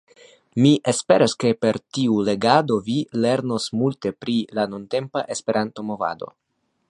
Mi esperas, ke per tiu legado vi lernos multe pri la nuntempa Esperanto-movado.